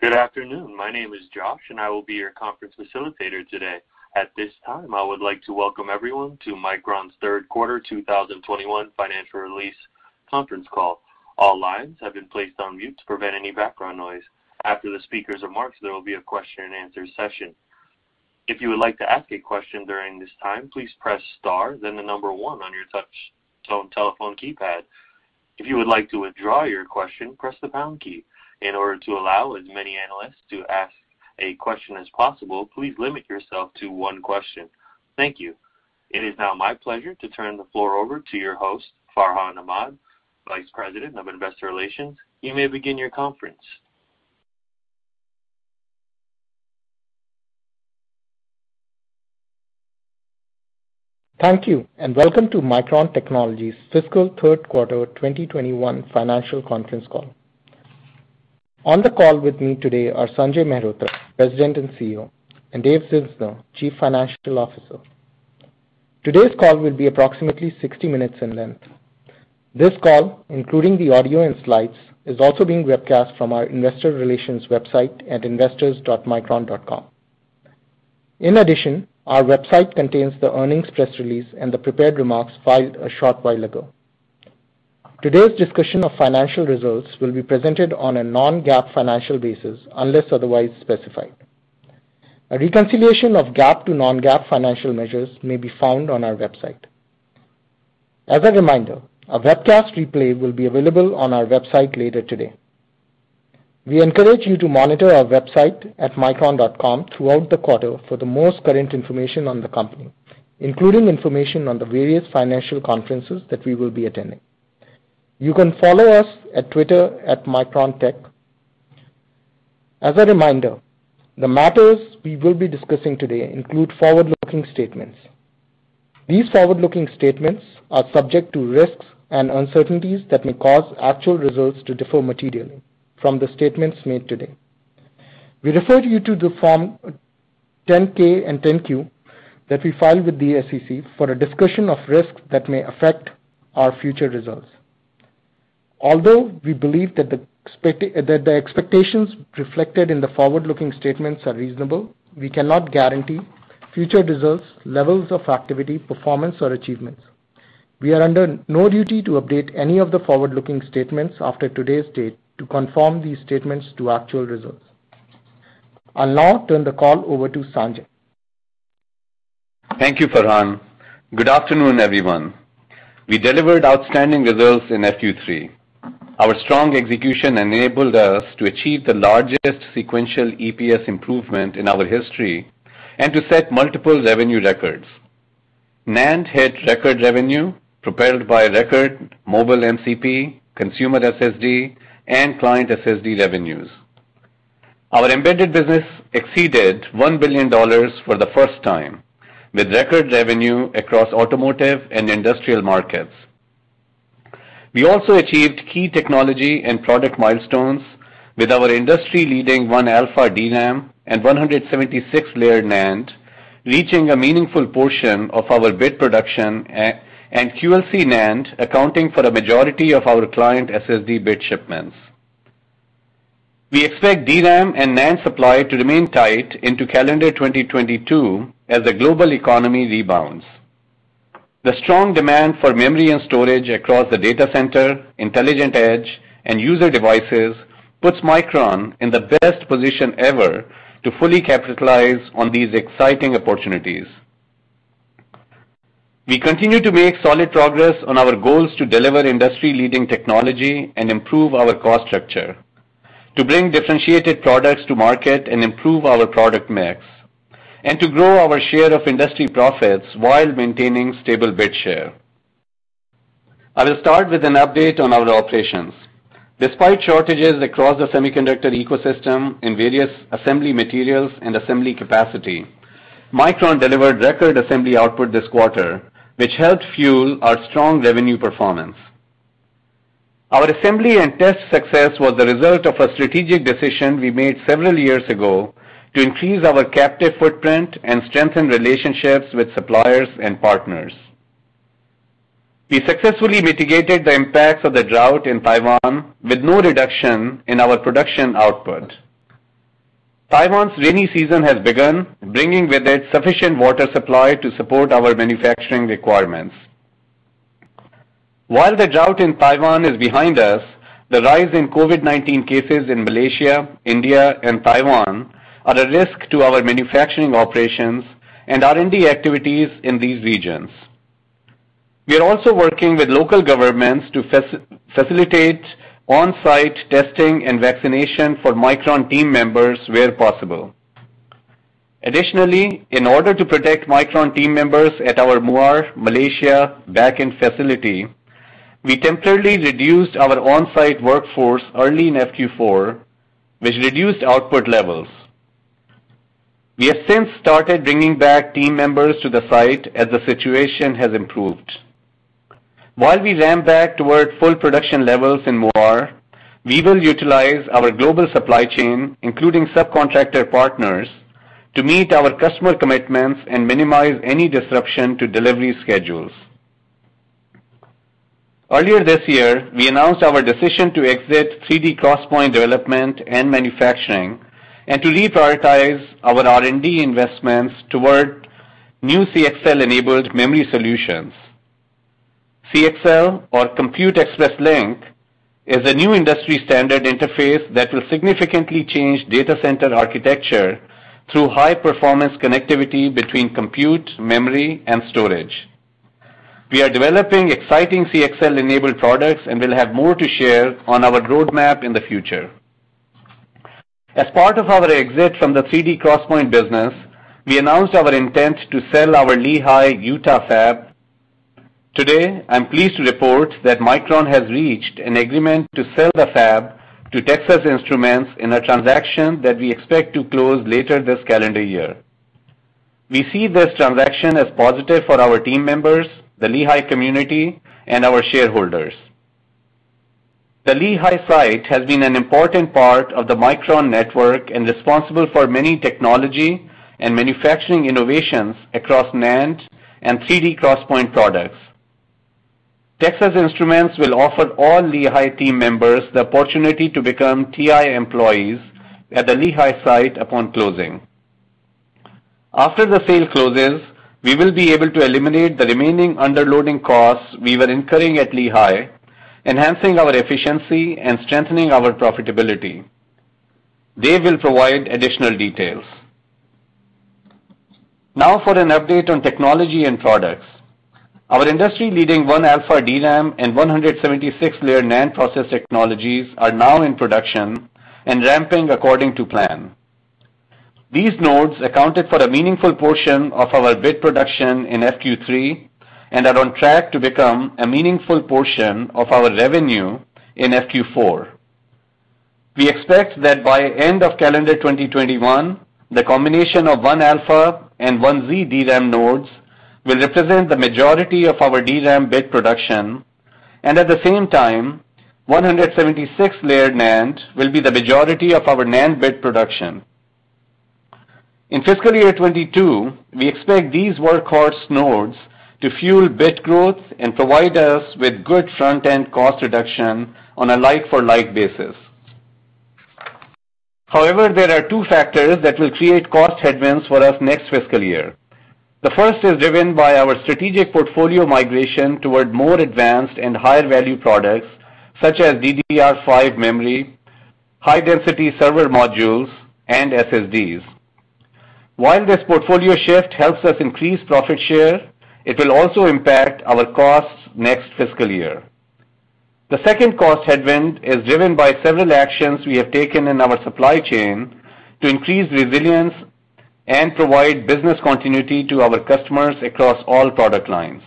Good afternoon. My name is Josh, and I will be your conference facilitator today. At this time, I would like to welcome everyone to Micron's third quarter 2021 financial release conference call. All lines have been placed on mute to prevent any background noise. After the speakers remarks, there will be a question and answer session. If you would like to ask a question during this time, please press star then the number one on your touch telephone keypad. If you would like to withdraw your question, press the pound key. In order to allow as many analysts to ask a question as possible, please limit yourself to one question. Thank you. It is now my pleasure to turn the floor over to your host, Farhan Ahmad, Vice President of Investor Relations. You may begin your conference. Thank you, and welcome to Micron Technology fiscal third quarter 2021 financial conference call. On the call with me today are Sanjay Mehrotra, President and CEO, and Dave Zinsner, Chief Financial Officer. Today's call will be approximately 60 minutes in length. This call, including the audio and slides, is also being webcast from our investor relations website at investors.micron.com. In addition, our website contains the earnings press release and the prepared remarks filed a short while ago. Today's discussion of financial results will be presented on a non-GAAP financial basis, unless otherwise specified. A reconciliation of GAAP to non-GAAP financial measures may be found on our website. As a reminder, a webcast replay will be available on our website later today. We encourage you to monitor our website at micron.com throughout the quarter for the most current information on the company, including information on the various financial conferences that we will be attending. You can follow us at Twitter, @MicronTech. As a reminder, the matters we will be discussing today include forward-looking statements. These forward-looking statements are subject to risks and uncertainties that may cause actual results to differ materially from the statements made today. We refer you to the form 10-K and 10-Q that we file with the SEC for a discussion of risks that may affect our future results. Although we believe that the expectations reflected in the forward-looking statements are reasonable, we cannot guarantee future results, levels of activity, performance, or achievements. We are under no duty to update any of the forward-looking statements after today's date to confirm these statements to actual results. I'll now turn the call over to Sanjay. Thank you, Farhan. Good afternoon, everyone. We delivered outstanding results in FQ3. Our strong execution enabled us to achieve the largest sequential EPS improvement in our history, and to set multiple revenue records. NAND hit record revenue, propelled by record mobile MCP, consumer SSD, and client SSD revenues. Our embedded business exceeded $1 billion for the first time, with record revenue across automotive and industrial markets. We also achieved key technology and product milestones with our industry-leading 1-alpha DRAM and 176-layer NAND, reaching a meaningful portion of our bit production, and QLC NAND accounting for the majority of our client SSD bit shipments. We expect DRAM and NAND supply to remain tight into calendar 2022 as the global economy rebounds. The strong demand for memory and storage across the data center, intelligent edge, and user devices, puts Micron in the best position ever to fully capitalize on these exciting opportunities. We continue to make solid progress on our goals to deliver industry-leading technology and improve our cost structure, to bring differentiated products to market and improve our product mix, and to grow our share of industry profits while maintaining stable bit share. I'll start with an update on our operations. Despite shortages across the semiconductor ecosystem in various assembly materials and assembly capacity, Micron delivered record assembly output this quarter, which helped fuel our strong revenue performance. Our assembly and test success was a result of a strategic decision we made several years ago to increase our captive footprint and strengthen relationships with suppliers and partners. We successfully mitigated the impacts of the drought in Taiwan with no reduction in our production output. Taiwan's rainy season has begun, bringing with it sufficient water supply to support our manufacturing requirements. While the drought in Taiwan is behind us, the rise in COVID-19 cases in Malaysia, India, and Taiwan are a risk to our manufacturing operations and R&D activities in these regions. We are also working with local governments to facilitate on-site testing and vaccination for Micron team members where possible. Additionally, in order to protect Micron team members at our Muar, Malaysia backend facility, we temporarily reduced our on-site workforce early in FQ4, which reduced output levels. We have since started bringing back team members to the site as the situation has improved. While we ramp back toward full production levels in Muar, we will utilize our global supply chain, including subcontractor partners, to meet our customer commitments and minimize any disruption to delivery schedules. Earlier this year, we announced our decision to exit 3D XPoint development and manufacturing and to reprioritize our R&D investments toward new CXL-enabled memory solutions. CXL, or Compute Express Link, is a new industry standard interface that will significantly change data center architecture through high-performance connectivity between compute, memory, and storage. We are developing exciting CXL-enabled products and will have more to share on our roadmap in the future. As part of our exit from the 3D XPoint business, we announced our intent to sell our Lehi, Utah fab. Today, I'm pleased to report that Micron has reached an agreement to sell the fab to Texas Instruments in a transaction that we expect to close later this calendar year. We see this transaction as positive for our team members, the Lehi community, and our shareholders. The Lehi site has been an important part of the Micron network and responsible for many technology and manufacturing innovations across NAND and 3D XPoint products. Texas Instruments will offer all Lehi team members the opportunity to become TI employees at the Lehi site upon closing. After the sale closes, we will be able to eliminate the remaining underloading costs we were incurring at Lehi, enhancing our efficiency and strengthening our profitability. Dave will provide additional details. Now for an update on technology and products. Our industry-leading 1α DRAM and 176-layer NAND process technologies are now in production and ramping according to plan. These nodes accounted for a meaningful portion of our bit production in FQ3 and are on track to become a meaningful portion of our revenue in FQ4. We expect that by end of calendar 2021, the combination of 1α and 1z DRAM nodes will represent the majority of our DRAM bit production, and at the same time, 176-layer NAND will be the majority of our NAND bit production. In fiscal year 2022, we expect these workhorse nodes to fuel bit growth and provide us with good front-end cost reduction on a like-for-like basis. However, there are two factors that will create cost headwinds for us next fiscal year. The first is driven by our strategic portfolio migration toward more advanced and higher-value products, such as DDR5 memory, high-density server modules, and SSDs. While this portfolio shift helps us increase profit share, it will also impact our costs next fiscal year. The second cost headwind is driven by several actions we have taken in our supply chain to increase resilience and provide business continuity to our customers across all product lines.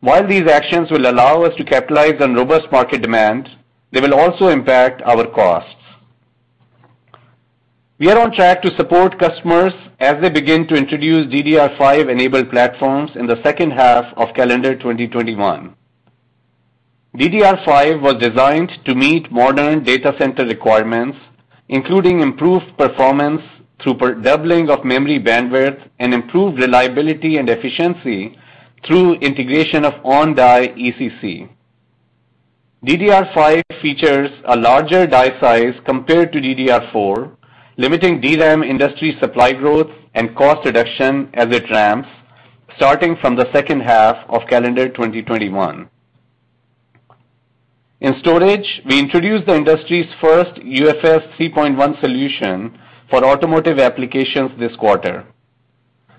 While these actions will allow us to capitalize on robust market demands, they will also impact our costs. We are on track to support customers as they begin to introduce DDR5-enabled platforms in the second half of calendar 2021. DDR5 was designed to meet modern data center requirements, including improved performance through doubling of memory bandwidth and improved reliability and efficiency through integration of on-die ECC. DDR5 features a larger die size compared to DDR4, limiting DRAM industry supply growth and cost reduction as it ramps, starting from the second half of calendar 2021. In storage, we introduced the industry's first UFS 3.1 solution for automotive applications this quarter.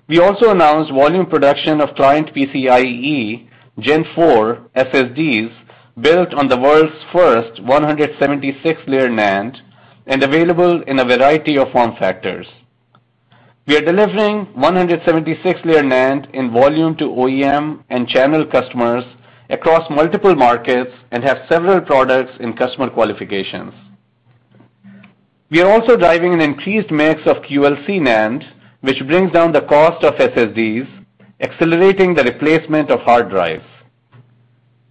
We also announced volume production of client PCIe Gen 4 SSDs built on the world's first 176-layer NAND and available in a variety of form factors. We are delivering 176-layer NAND in volume to OEM and channel customers across multiple markets and have several products in customer qualifications. We are also driving an increased mix of QLC NAND, which brings down the cost of SSDs, accelerating the replacement of hard drives.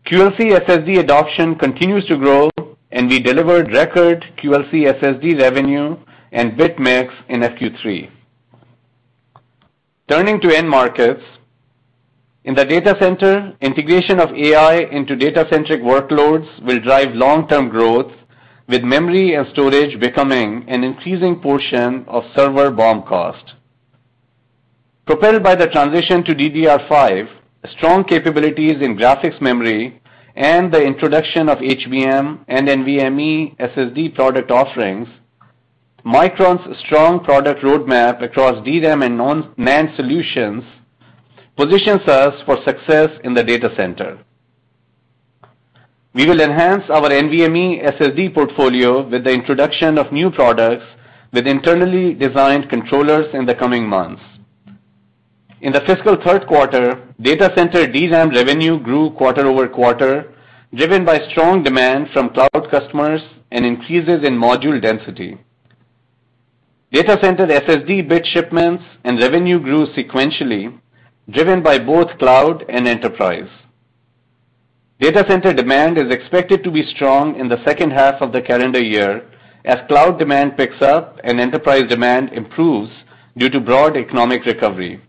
QLC SSD adoption continues to grow, and we delivered record QLC SSD revenue and bit mix in FQ3. Turning to end markets. In the data center, integration of AI into data-centric workloads will drive long-term growth, with memory and storage becoming an increasing portion of server BOM cost. Propelled by the transition to DDR5, strong capabilities in graphics memory, and the introduction of HBM and NVMe SSD product offerings, Micron's strong product roadmap across DRAM and NAND solutions positions us for success in the data center. We will enhance our NVMe SSD portfolio with the introduction of new products with internally designed controllers in the coming months. In the fiscal 3rd quarter, data center DRAM revenue grew quarter-over-quarter, driven by strong demand from cloud customers and increases in module density. Data center SSD bit shipments and revenue grew sequentially, driven by both cloud and enterprise. Data center demand is expected to be strong in the second half of the calendar year as cloud demand picks up and enterprise demand improves due to broad economic recovery.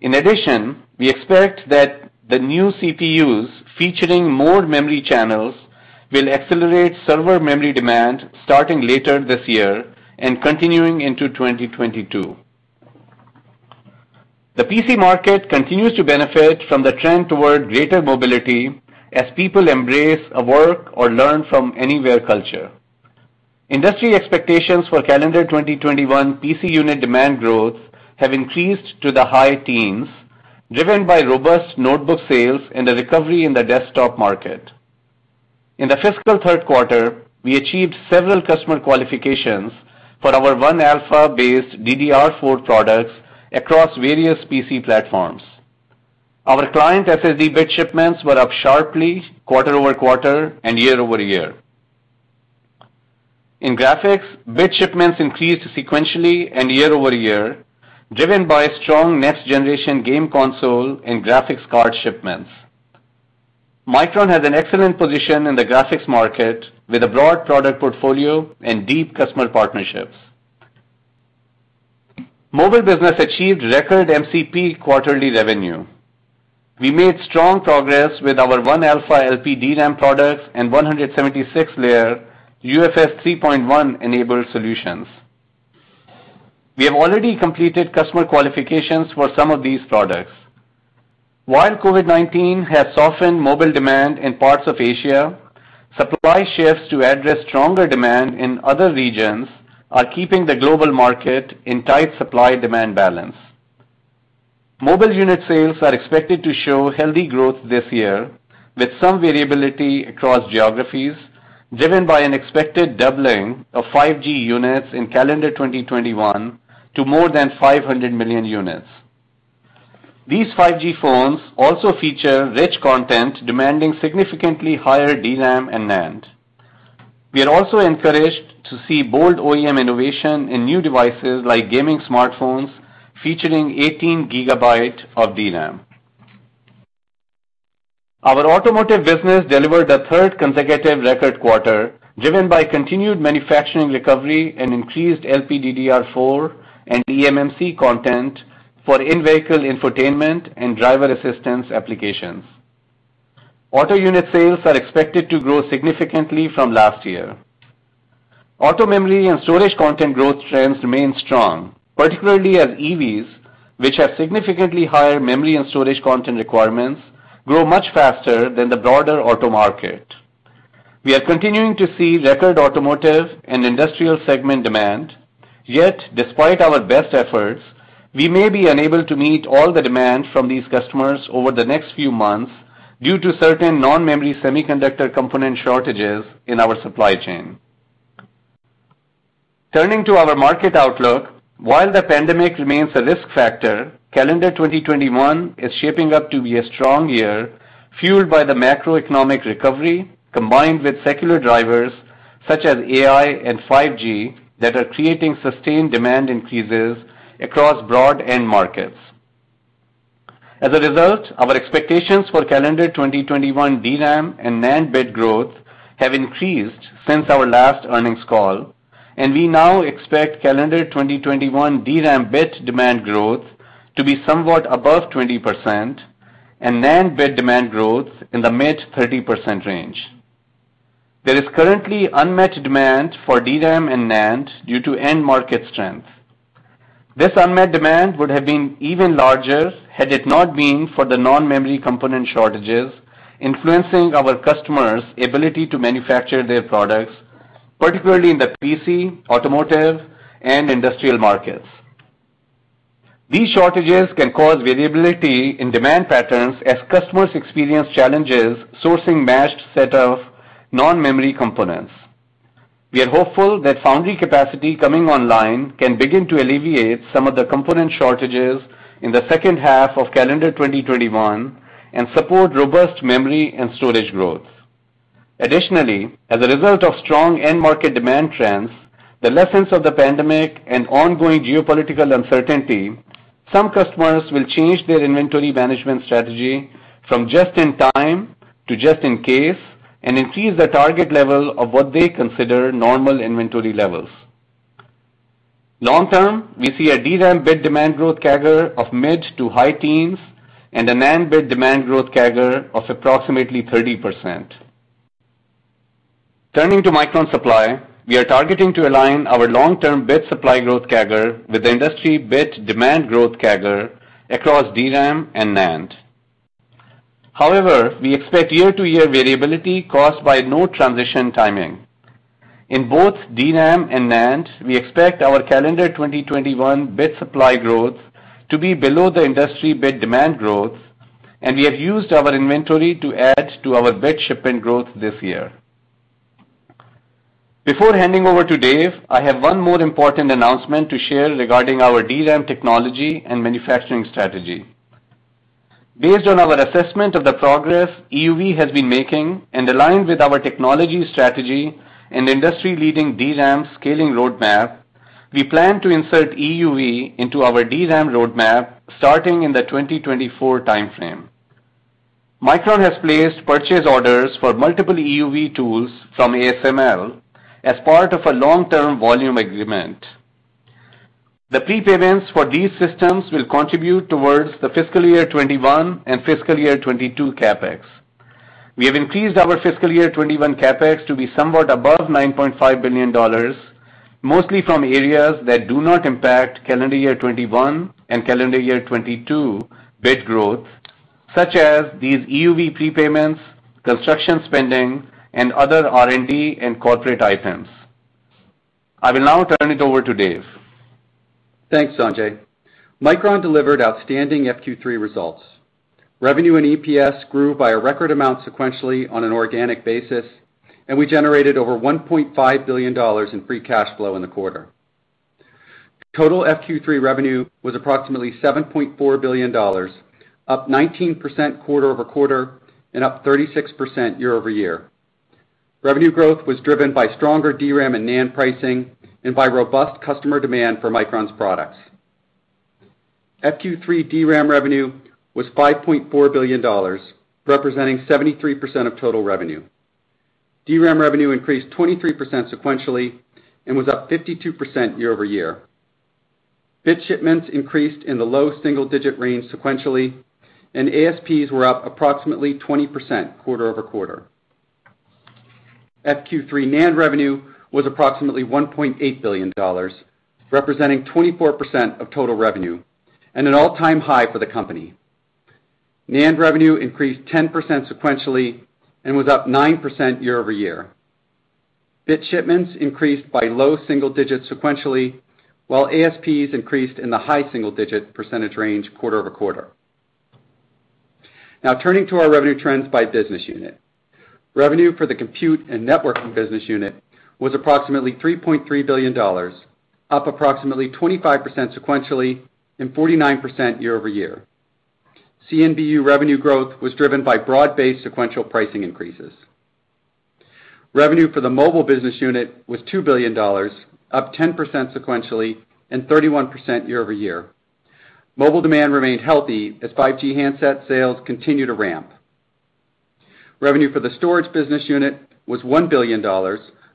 In addition, we expect that the new CPUs featuring more memory channels will accelerate server memory demand starting later this year and continuing into 2022. The PC market continues to benefit from the trend toward greater mobility as people embrace a work or learn from anywhere culture. Industry expectations for calendar 2021 PC unit demand growth have increased to the high teens, driven by robust notebook sales and a recovery in the desktop market. In the fiscal third quarter, we achieved several customer qualifications for our 1-alpha-based DDR4 products across various PC platforms. Our client SSD bit shipments were up sharply quarter-over-quarter and year-over-year. In graphics, bit shipments increased sequentially and year-over-year, driven by strong next-generation game console and graphics card shipments. Micron has an excellent position in the graphics market with a broad product portfolio and deep customer partnerships. Mobile business achieved record MCP quarterly revenue. We made strong progress with our 1-alpha LPDRAM products and 176-layer UFS 3.1 enabled solutions. We have already completed customer qualifications for some of these products. While COVID-19 has softened mobile demand in parts of Asia, supply shifts to address stronger demand in other regions are keeping the global market in tight supply-demand balance. Mobile unit sales are expected to show healthy growth this year, with some variability across geographies, driven by an expected doubling of 5G units in calendar 2021 to more than 500 million units. These 5G phones also feature rich content demanding significantly higher DRAM and NAND. We are also encouraged to see bold OEM innovation in new devices like gaming smartphones featuring 18 GB of DRAM. Our automotive business delivered a third consecutive record quarter, driven by continued manufacturing recovery and increased LPDDR4 and eMMC content for in-vehicle infotainment and driver assistance applications. Auto unit sales are expected to grow significantly from last year. Auto memory and storage content growth trends remain strong, particularly as EVs, which have significantly higher memory and storage content requirements, grow much faster than the broader auto market. We are continuing to see record automotive and industrial segment demand. Yet, despite our best efforts, we may be unable to meet all the demand from these customers over the next few months due to certain non-memory semiconductor component shortages in our supply chain. Turning to our market outlook, while the pandemic remains a risk factor, calendar 2021 is shaping up to be a strong year, fueled by the macroeconomic recovery, combined with secular drivers such as AI and 5G that are creating sustained demand increases across broad end markets. As a result, our expectations for calendar 2021 DRAM and NAND bit growth have increased since our last earnings call, and we now expect calendar 2021 DRAM bit demand growth to be somewhat above 20% and NAND bit demand growth in the mid-30% range. There is currently unmet demand for DRAM and NAND due to end market strength. This unmet demand would have been even larger had it not been for the non-memory component shortages influencing our customers' ability to manufacture their products, particularly in the PC, automotive, and industrial markets. These shortages can cause variability in demand patterns as customers experience challenges sourcing matched set of non-memory components. We are hopeful that foundry capacity coming online can begin to alleviate some of the component shortages in the second half of calendar 2021 and support robust memory and storage growth. Additionally, as a result of strong end market demand trends, the lessons of the pandemic, and ongoing geopolitical uncertainty, some customers will change their inventory management strategy from just in time to just in case and increase the target level of what they consider normal inventory levels. Long term, we see a DRAM bit demand growth CAGR of mid to high teens and a NAND bit demand growth CAGR of approximately 30%. Turning to Micron supply, we are targeting to align our long-term bit supply growth CAGR with the industry bit demand growth CAGR across DRAM and NAND. However, we expect year-to-year variability caused by node transition timing. In both DRAM and NAND, we expect our calendar 2021 bit supply growth to be below the industry bit demand growth, and we have used our inventory to add to our bit shipment growth this year. Before handing over to Dave, I have one more important announcement to share regarding our DRAM technology and manufacturing strategy. Based on our assessment of the progress EUV has been making and aligned with our technology strategy and industry-leading DRAM scaling roadmap, we plan to insert EUV into our DRAM roadmap starting in the 2024 timeframe. Micron has placed purchase orders for multiple EUV tools from ASML as part of a long-term volume agreement. The prepayments for these systems will contribute towards the fiscal year 2021 and fiscal year 2022 CapEx. We have increased our fiscal year 2021 CapEx to be somewhat above $9.5 billion, mostly from areas that do not impact calendar year 2021 and calendar year 2022 bit growth, such as these EUV prepayments, construction spending, and other R&D and corporate items. I will now turn it over to Dave. Thanks, Sanjay. Micron delivered outstanding Q3 results. Revenue and EPS grew by a record amount sequentially on an organic basis, and we generated over $1.5 billion in free cash flow in the quarter. Total Q3 revenue was approximately $7.4 billion, up 19% quarter-over-quarter and up 36% year-over-year. Revenue growth was driven by stronger DRAM and NAND pricing and by robust customer demand for Micron's products. Q3 DRAM revenue was $5.4 billion, representing 73% of total revenue. DRAM revenue increased 23% sequentially and was up 52% year-over-year. Bit shipments increased in the low single-digit range sequentially, and ASPs were up approximately 20% quarter-over-quarter. Q3 NAND revenue was approximately $1.8 billion, representing 24% of total revenue, and an all-time high for the company. NAND revenue increased 10% sequentially and was up 9% year-over-year. Bit shipments increased by low single digits sequentially, while ASPs increased in the high single-digit percentage range quarter-over-quarter. Now turning to our revenue trends by business unit. Revenue for the Compute and Networking Business Unit was approximately $3.3 billion, up approximately 25% sequentially and 49% year-over-year. CNBU revenue growth was driven by broad-based sequential pricing increases. Revenue for the Mobile Business Unit was $2 billion, up 10% sequentially and 31% year-over-year. Mobile demand remained healthy as 5G handset sales continue to ramp. Revenue for the Storage Business Unit was $1 billion,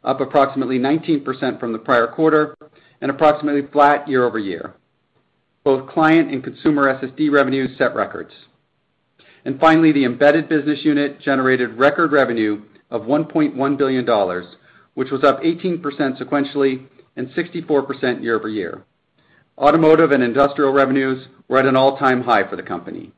up approximately 19% from the prior quarter and approximately flat year-over-year. Both client and consumer SSD revenues set records. Finally, the Embedded Business Unit generated record revenue of $1.1 billion, which was up 18% sequentially and 64% year-over-year. Automotive and industrial revenues were at an all-time high for the company.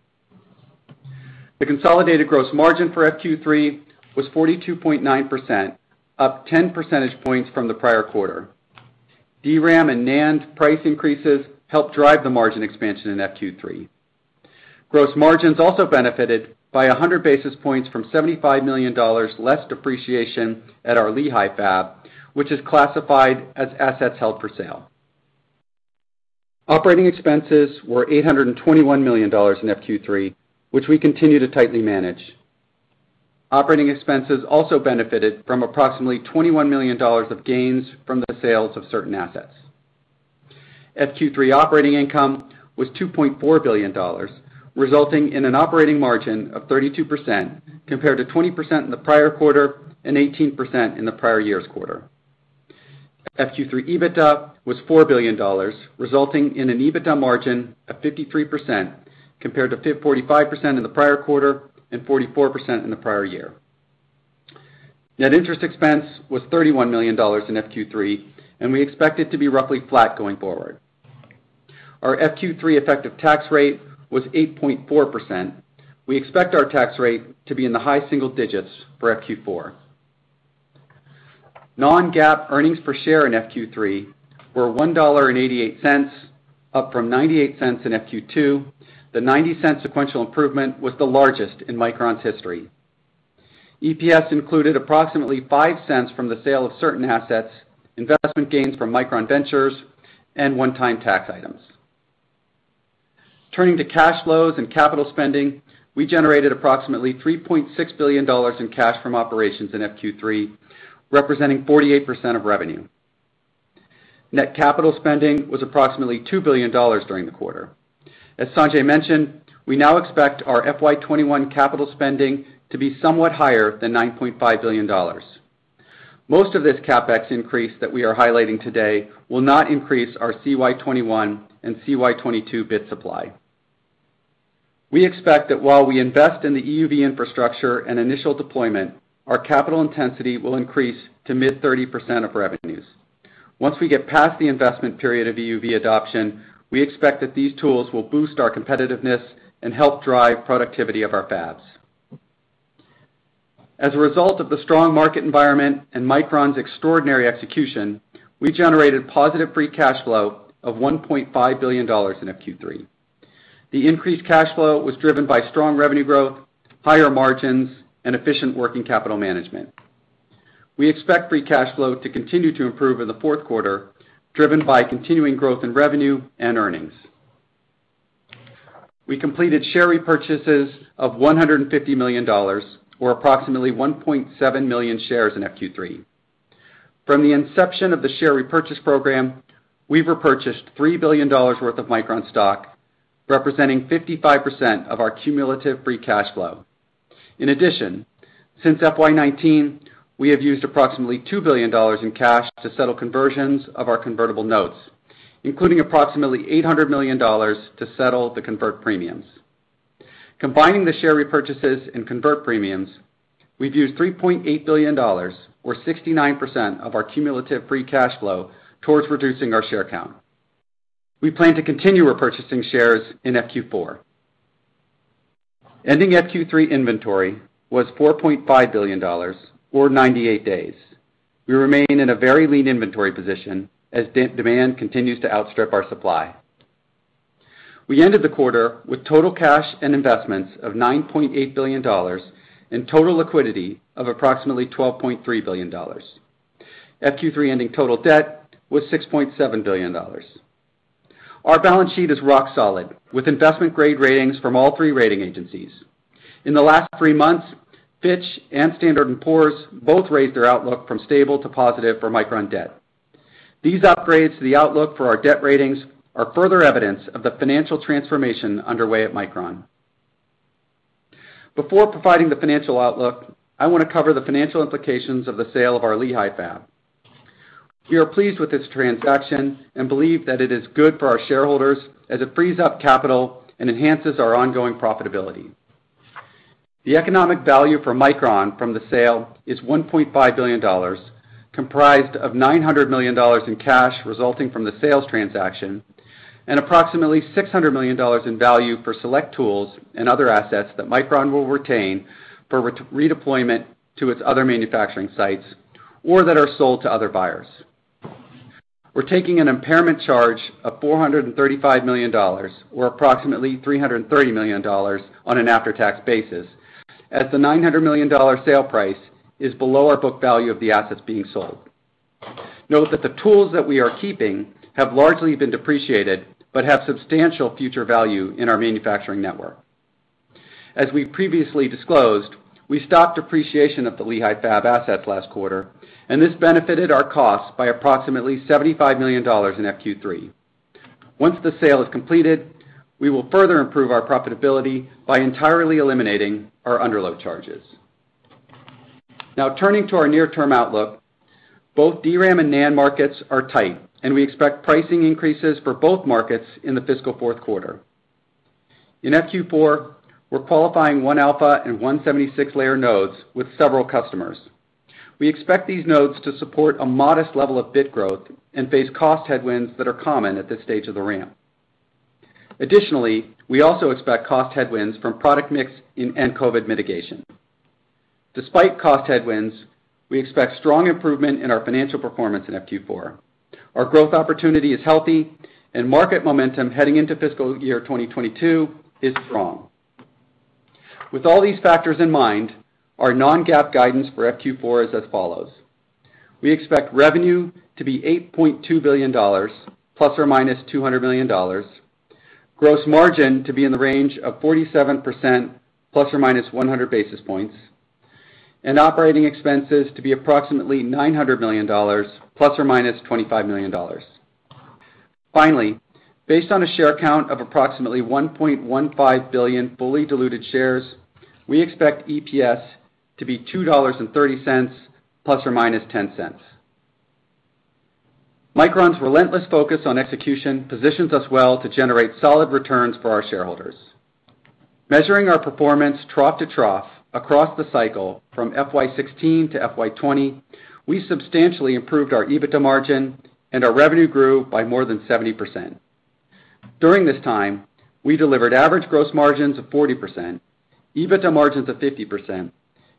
The consolidated gross margin for Q3 was 42.9%, up 10 percentage points from the prior quarter. DRAM and NAND price increases helped drive the margin expansion in Q3. Gross margins also benefited by 100 basis points from $75 million less depreciation at our Lehi fab, which is classified as assets held for sale. Operating expenses were $821 million in Q3, which we continue to tightly manage. Operating expenses also benefited from approximately $21 million of gains from the sales of certain assets. Q3 operating income was $2.4 billion, resulting in an operating margin of 32% compared to 20% in the prior quarter and 18% in the prior year's quarter. Q3 EBITDA was $4 billion, resulting in an EBITDA margin of 53%, compared to 45% in the prior quarter and 44% in the prior year. Net interest expense was $31 million in Q3, and we expect it to be roughly flat going forward. Our Q3 effective tax rate was 8.4%. We expect our tax rate to be in the high single digits for Q4. Non-GAAP earnings per share in Q3 were $1.88, up from $0.98 in Q2. The $0.90 sequential improvement was the largest in Micron's history. EPS included approximately $0.05 from the sale of certain assets, investment gains from Micron Ventures, and one-time tax items. Turning to cash flows and capital spending, we generated approximately $3.6 billion in cash from operations in Q3, representing 48% of revenue. Net capital spending was approximately $2 billion during the quarter. As Sanjay mentioned, we now expect our FY 2021 capital spending to be somewhat higher than $9.5 billion. Most of this CapEx increase that we are highlighting today will not increase our CY 2021 and CY 2022 bit supply. We expect that while we invest in the EUV infrastructure and initial deployment, our capital intensity will increase to mid-30% of revenues. Once we get past the investment period of EUV adoption, we expect that these tools will boost our competitiveness and help drive productivity of our fabs. As a result of the strong market environment and Micron's extraordinary execution, we generated positive free cash flow of $1.5 billion in Q3. The increased cash flow was driven by strong revenue growth, higher margins, and efficient working capital management. We expect free cash flow to continue to improve in the fourth quarter, driven by continuing growth in revenue and earnings. We completed share repurchases of $150 million, or approximately 1.7 million shares in Q3. From the inception of the share repurchase program, we've repurchased $3 billion worth of Micron stock, representing 55% of our cumulative free cash flow. In addition, since FY 2009, we have used approximately $2 billion in cash to settle conversions of our convertible notes, including approximately $800 million to settle the convert premiums. Combining the share repurchases and convert premiums, we've used $3.8 billion, or 69% of our cumulative free cash flow towards reducing our share count. We plan to continue repurchasing shares in FQ4. Ending FQ3 inventory was $4.5 billion or 98 days. We remain in a very lean inventory position as demand continues to outstrip our supply. We ended the quarter with total cash and investments of $9.8 billion and total liquidity of approximately $12.3 billion. FQ3 ending total debt was $6.7 billion. Our balance sheet is rock solid, with investment-grade ratings from all three rating agencies. In the last three months, Fitch and Standard & Poor's both raised their outlook from stable to positive for Micron debt. These upgrades to the outlook for our debt ratings are further evidence of the financial transformation underway at Micron. Before providing the financial outlook, I want to cover the financial implications of the sale of our Lehi fab. We are pleased with this transaction and believe that it is good for our shareholders as it frees up capital and enhances our ongoing profitability. The economic value for Micron from the sale is $1.5 billion, comprised of $900 million in cash resulting from the sales transaction and approximately $600 million in value for select tools and other assets that Micron will retain for redeployment to its other manufacturing sites or that are sold to other buyers. We're taking an impairment charge of $435 million, or approximately $330 million on an after-tax basis, as the $900 million sale price is below our book value of the assets being sold. Note that the tools that we are keeping have largely been depreciated but have substantial future value in our manufacturing network. As we previously disclosed, we stopped depreciation of the Lehi fab assets last quarter, and this benefited our costs by approximately $75 million in FQ3. Once the sale is completed, we will further improve our profitability by entirely eliminating our underload charges. Now turning to our near-term outlook, both DRAM and NAND markets are tight, and we expect pricing increases for both markets in the fiscal fourth quarter. In FQ4, we're qualifying 1-alpha and 176-layer nodes with several customers. We expect these nodes to support a modest level of bit growth and face cost headwinds that are common at this stage of the ramp. Additionally, we also expect cost headwinds from product mix and COVID mitigation. Despite cost headwinds, we expect strong improvement in our financial performance in FQ4. Our growth opportunity is healthy and market momentum heading into fiscal year 2022 is strong. With all these factors in mind, our non-GAAP guidance for FQ4 is as follows: We expect revenue to be $8.2 billion ± $200 million, gross margin to be in the range of 47% ± 100 basis points, and operating expenses to be approximately $900 million ± $25 million. Finally, based on a share count of approximately 1.15 billion fully diluted shares, we expect EPS to be $2.30 ± $0.10. Micron's relentless focus on execution positions us well to generate solid returns for our shareholders. Measuring our performance trough to trough across the cycle from FY 2016 to FY 2020, we substantially improved our EBITDA margin and our revenue grew by more than 70%. During this time, we delivered average gross margins of 40%, EBITDA margins of 50%,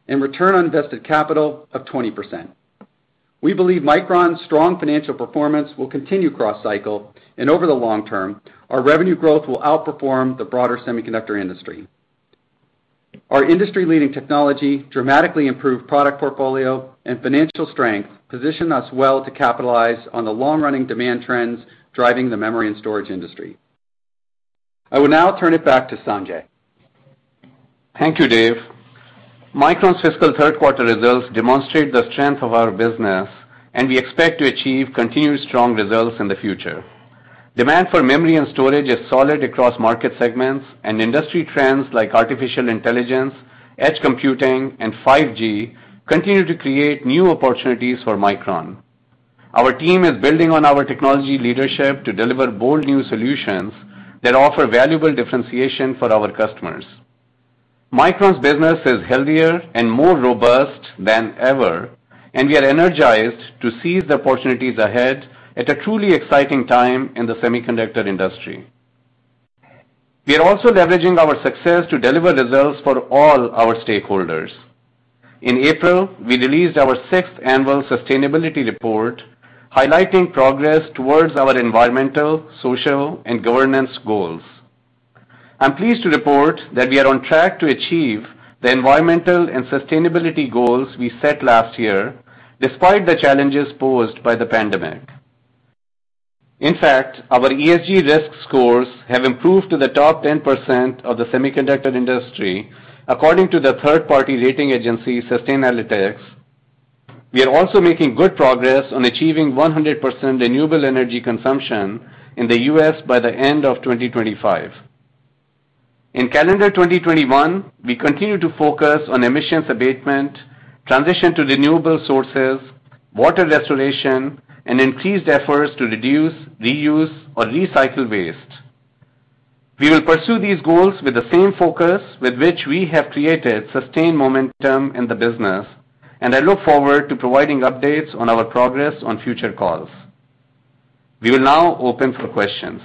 and return on invested capital of 20%. We believe Micron's strong financial performance will continue cross-cycle, and over the long term, our revenue growth will outperform the broader semiconductor industry. Our industry-leading technology, dramatically improved product portfolio, and financial strength position us well to capitalize on the long-running demand trends driving the memory and storage industry. I will now turn it back to Sanjay. Thank you, Dave. Micron's fiscal third quarter results demonstrate the strength of our business, and we expect to achieve continued strong results in the future. Demand for memory and storage is solid across market segments, and industry trends like artificial intelligence, edge computing, and 5G continue to create new opportunities for Micron. Our team is building on our technology leadership to deliver bold new solutions that offer valuable differentiation for our customers. Micron's business is healthier and more robust than ever, and we are energized to seize the opportunities ahead at a truly exciting time in the semiconductor industry. We are also leveraging our success to deliver results for all our stakeholders. In April, we released our sixth annual sustainability report, highlighting progress towards our environmental, social, and governance goals. I'm pleased to report that we are on track to achieve the environmental and sustainability goals we set last year, despite the challenges posed by the pandemic. In fact, our ESG risk scores have improved to the top 10% of the semiconductor industry, according to the third-party rating agency, Sustainalytics. We are also making good progress on achieving 100% renewable energy consumption in the U.S. by the end of 2025. In calendar 2021, we continue to focus on emissions abatement, transition to renewable sources, water restoration, and increased efforts to reduce, reuse, or recycle waste. We will pursue these goals with the same focus with which we have created sustained momentum in the business, and I look forward to providing updates on our progress on future calls. We will now open for questions.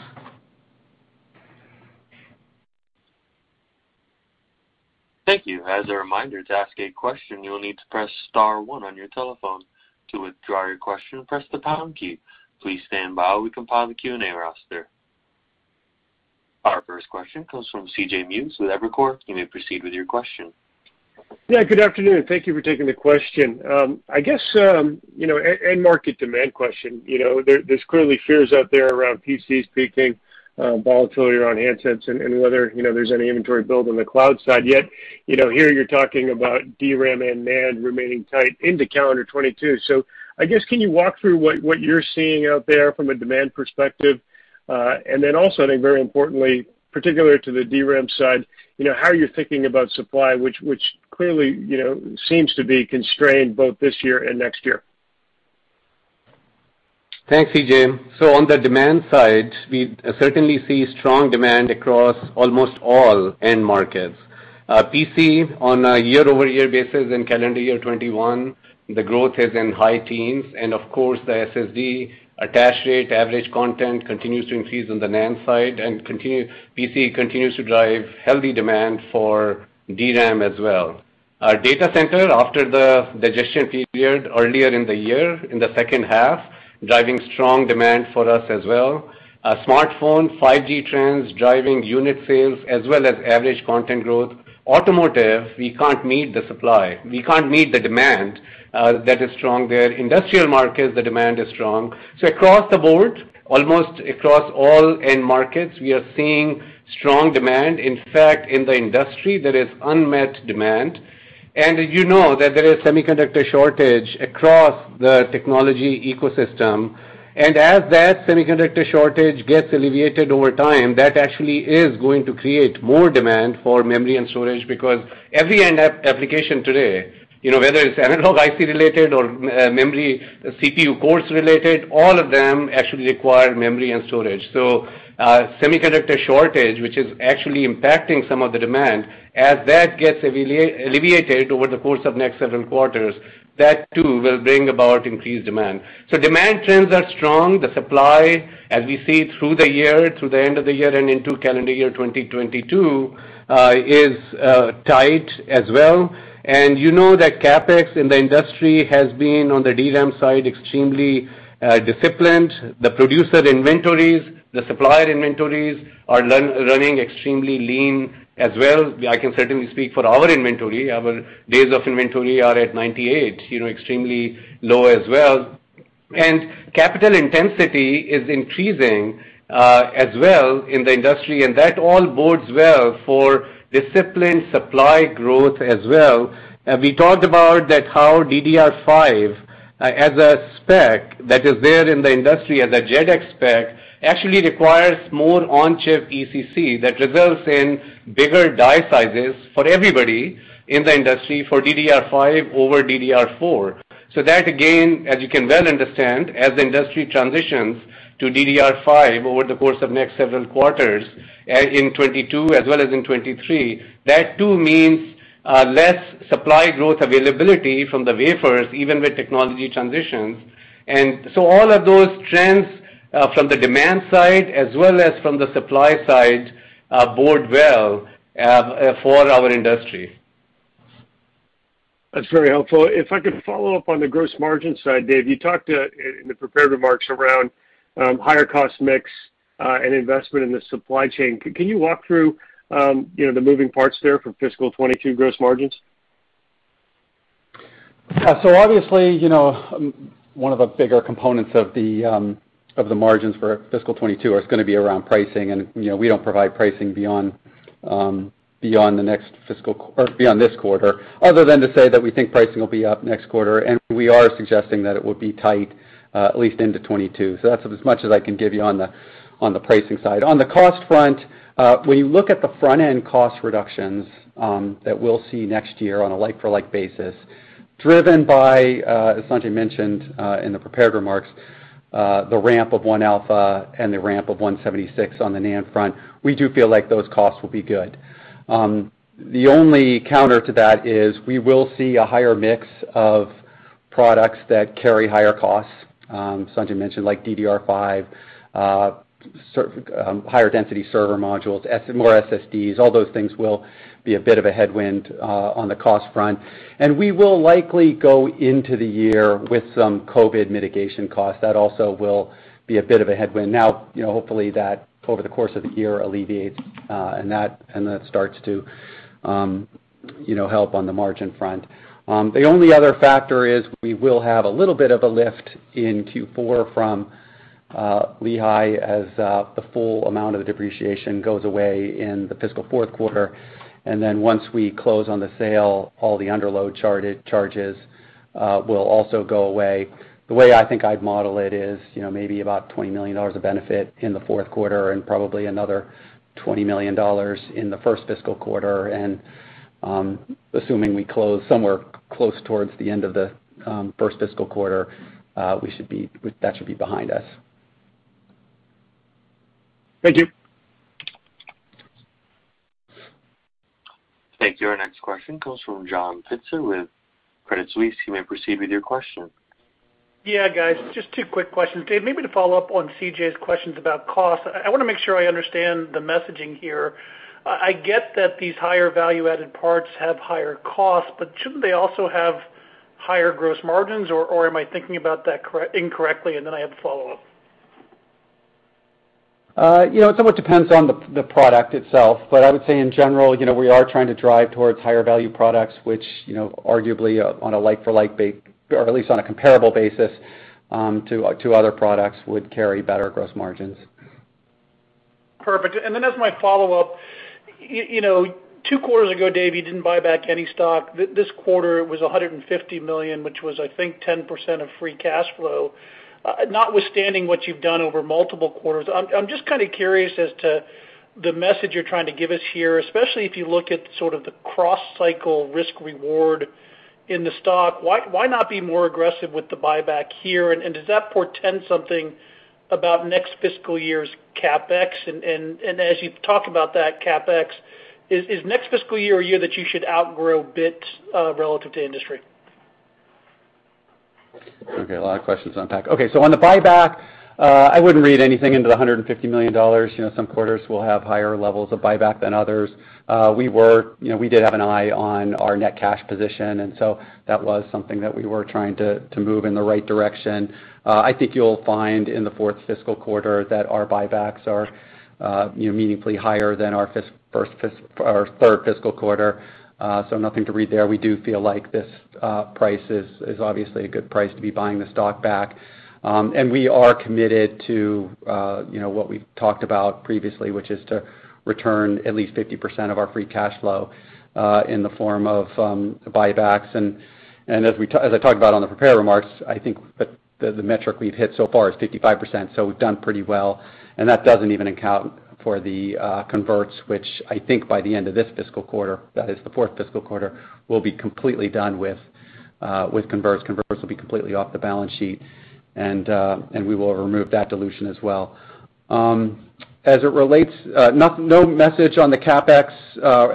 Thank you. As a reminder, to ask a question, you will need to press star one on your telephone. To withdraw your question, press the pound key. Please standby as we compile our Q&A roster. Our first question comes from CJ Muse with Evercore. You may proceed with your question. Yeah, good afternoon. Thank you for taking the question. I guess, end market demand question. There's clearly fears out there around PCs peaking, volatility on handsets, and whether there's any inventory build on the cloud side yet. Here you're talking about DRAM and NAND remaining tight into calendar 2022. I guess, can you walk through what you're seeing out there from a demand perspective? I think very importantly, particular to the DRAM side, how you're thinking about supply, which clearly seems to be constrained both this year and next year. Thanks, CJ. On the demand side, we certainly see strong demand across almost all end markets. PC on a year-over-year basis in calendar year 2021, the growth is in high teens, of course, the SSD attach rate, average content continues to increase on the NAND side, PC continues to drive healthy demand for DRAM as well. Our data center, after the digestion period earlier in the year, in the second half, driving strong demand for us as well. Smartphone, 5G trends driving unit sales as well as average content growth. Automotive, we can't meet the demand that is strong there. Industrial markets, the demand is strong. Across the board, almost across all end markets, we are seeing strong demand. In fact, in the industry, there is unmet demand, you know that there is semiconductor shortage across the technology ecosystem. As that semiconductor shortage gets alleviated over time, that actually is going to create more demand for memory and storage because every end application today, whether it is analog IC related or memory CPU cores related, all of them actually require memory and storage. Semiconductor shortage, which is actually impacting some of the demand, as that gets alleviated over the course of next several quarters, that too will bring about increased demand. Demand trends are strong. The supply, as we see through the year, through the end of the year and into calendar year 2022, is tight as well. You know that CapEx in the industry has been, on the DRAM side, extremely disciplined. The producer inventories, the supplier inventories are running extremely lean as well. I can certainly speak for our inventory. Our days of inventory are at 98, extremely low as well. Capital intensity is increasing as well in the industry, and that all bodes well for disciplined supply growth as well. We talked about how DDR5 as a spec that is there in the industry as a JEDEC spec, actually requires more on-chip ECC that results in bigger die sizes for everybody in the industry for DDR5 over DDR4. That again, as you can well understand, as the industry transitions to DDR5 over the course of next several quarters in 2022 as well as in 2023, that too means less supply growth availability from the wafers, even with technology transitions. All of those trends from the demand side as well as from the supply side bode well for our industry. That's very helpful. If I could follow up on the gross margin side, Dave, you talked in the prepared remarks around higher cost mix and investment in the supply chain. Can you walk through the moving parts there for fiscal 2022 gross margins? Obviously, one of the bigger components of the margins for fiscal 2022 is going to be around pricing, and we don't provide pricing beyond this quarter, other than to say that we think pricing will be up next quarter, and we are suggesting that it would be tight at least into 2022. That's as much as I can give you on the pricing side. On the cost front, when you look at the front-end cost reductions that we'll see next year on a like-for-like basis, driven by, as Sanjay mentioned in the prepared remarks, the ramp of 1-alpha and the ramp of 176 on the NAND front, we do feel like those costs will be good. The only counter to that is we will see a higher mix of products that carry higher costs. Sanjay mentioned, like DDR5, higher density server modules, more SSDs, all those things will be a bit of a headwind on the cost front. We will likely go into the year with some COVID mitigation costs. That also will be a bit of a headwind. Hopefully over the course of the year, that alleviates, and that starts to Help on the margin front. The only other factor is we will have a little bit of a lift in Q4 from Lehi as the full amount of depreciation goes away in the fiscal fourth quarter. Once we close on the sale, all the underload charges will also go away. The way I think I'd model it is maybe about $20 million of benefit in the fourth quarter and probably another $20 million in the first fiscal quarter. Assuming we close somewhere close towards the end of the first fiscal quarter, that should be behind us. Thank you. Thank you. Our next question comes from John Pitzer with Credit Suisse. You may proceed with your question. Yeah, guys, just 2 quick questions. Dave, maybe to follow up on CJ's questions about cost. I want to make sure I understand the messaging here. I get that these higher value-added parts have higher cost, but shouldn't they also have higher gross margins? Am I thinking about that incorrectly? I have a follow-up. It somewhat depends on the product itself, but I would say in general, we are trying to drive towards higher value products, which arguably on a like-for-like basis or at least on a comparable basis to other products, would carry better gross margins. Perfect. Then as my follow-up, 2 quarters ago, Dave Zinsner, you didn't buy back any stock. This quarter it was $150 million, which was I think 10% of free cash flow. Notwithstanding what you've done over multiple quarters, I'm just curious as to the message you're trying to give us here, especially if you look at sort of the cross cycle risk reward in the stock. Why not be more aggressive with the buyback here? Does that portend something about next fiscal year's CapEx? As you talk about that CapEx, is next fiscal year a year that you should outgrow bit relative to industry? Okay, a lot of questions to unpack. On the buyback, I wouldn't read anything into the $150 million. Some quarters will have higher levels of buyback than others. We did have an eye on our net cash position, that was something that we were trying to move in the right direction. I think you'll find in the fourth fiscal quarter that our buybacks are meaningfully higher than our third fiscal quarter. Nothing to read there. We do feel like this price is obviously a good price to be buying the stock back. We are committed to what we've talked about previously, which is to return at least 50% of our free cash flow, in the form of buybacks. As I talked about on the prepared remarks, I think that the metric we've hit so far is 55%. We've done pretty well. That doesn't even account for the converts, which I think by the end of this fiscal quarter, that is the 4th fiscal quarter, we'll be completely done with converts. Converts will be completely off the balance sheet, and we will remove that dilution as well. No message on the CapEx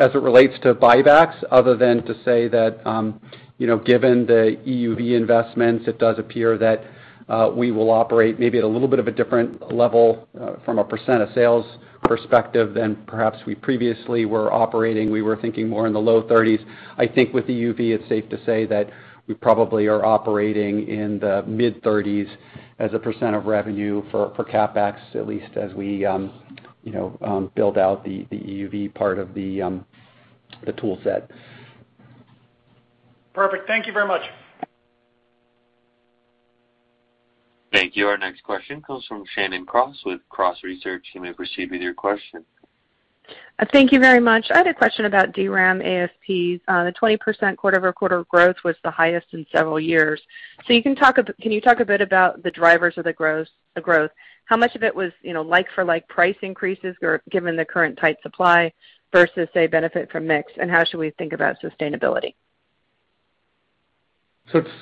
as it relates to buybacks, other than to say that given the EUV investments, it does appear that we will operate maybe at a little bit of a different level from a percent of sales perspective than perhaps we previously were operating. We were thinking more in the low 30s. I think with EUV, it's safe to say that we probably are operating in the mid 30s as a % of revenue for CapEx, at least as we build out the EUV part of the tool set. Perfect. Thank you very much. Thank you. Our next question comes from Shannon Cross with Cross Research. You may proceed with your question. Thank you very much. I had a question about DRAM ASPs. The 20% quarter-over-quarter growth was the highest in several years. Can you talk a bit about the drivers of the growth? How much of it was like-for-like price increases given the current tight supply versus, say, benefit from mix? How should we think about sustainability?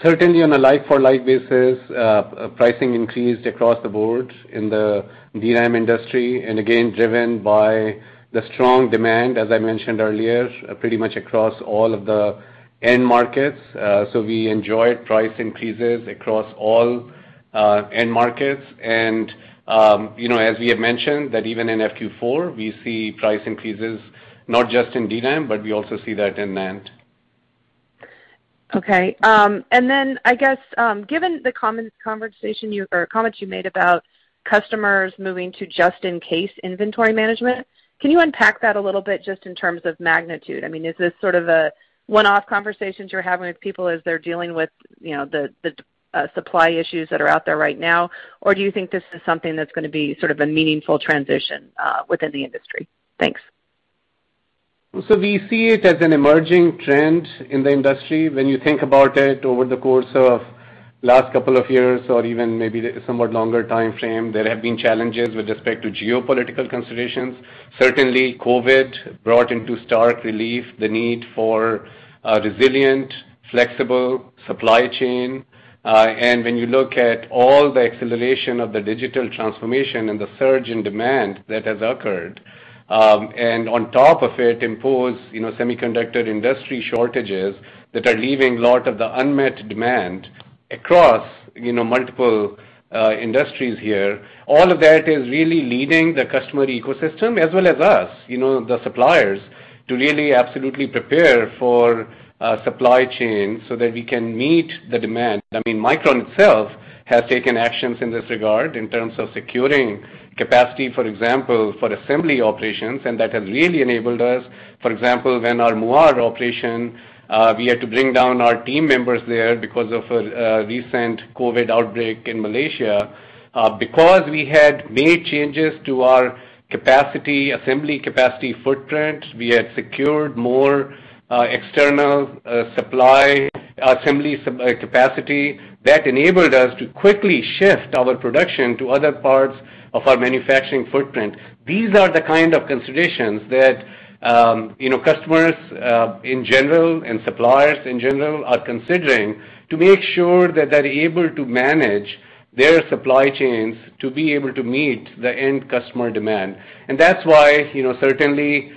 Certainly on a like-for-like basis, pricing increased across the board in the DRAM industry, and again driven by the strong demand, as I mentioned earlier, pretty much across all of the end markets. We enjoyed price increases across all end markets. As we have mentioned, that even in FQ4 we see price increases not just in DRAM, but we also see that in NAND. Okay. I guess, given the comments you made about customers moving to just in case inventory management, can you unpack that a little bit just in terms of magnitude? I mean, is this sort of a one-off conversation you're having with people as they're dealing with the supply issues that are out there right now? Or do you think this is something that's going to be sort of a meaningful transition within the industry? Thanks. We see it as an emerging trend in the industry. When you think about it over the course of last couple of years or even maybe somewhat longer timeframe, there have been challenges with respect to geopolitical considerations. Certainly COVID brought into stark relief the need for a resilient, flexible supply chain. When you look at all the acceleration of the digital transformation and the surge in demand that has occurred, and on top of it impose semiconductor industry shortages that are leaving a lot of the unmet demand across multiple industries here. All of that is really leading the customer ecosystem as well as us, the suppliers to really absolutely prepare for supply chain so that we can meet the demand. Micron itself has taken actions in this regard in terms of securing capacity, for example, for assembly operations, and that has really enabled us, for example, when our Muar operation, we had to bring down our team members there because of a recent COVID outbreak in Malaysia. Because we had made changes to our capacity, assembly capacity footprint, we had secured more external supply, assembly capacity that enabled us to quickly shift our production to other parts of our manufacturing footprint. These are the kind of considerations that customers in general, and suppliers in general, are considering to make sure that they're able to manage their supply chains to be able to meet the end customer demand. That's why, certainly,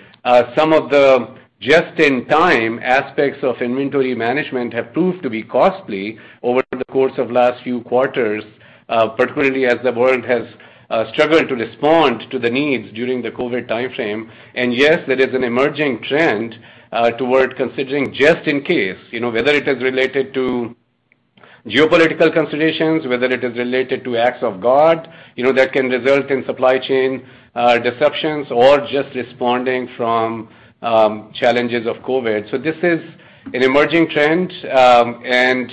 some of the just-in-time aspects of inventory management have proved to be costly over the course of last few quarters, particularly as the world has struggled to respond to the needs during the COVID timeframe. Yes, there is an emerging trend toward considering just in case, whether it is related to geopolitical considerations, whether it is related to acts of God, that can result in supply chain disruptions or just responding from challenges of COVID. This is an emerging trend, and